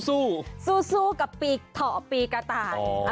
ซู่กับปีเถาปีกระต่าย